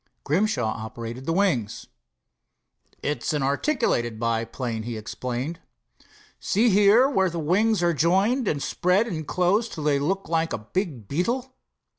Grimshaw operated the wings. "It's an articulated biplane," he explained. "See here, where the wings are jointed and spread and close till they look like a big beetle.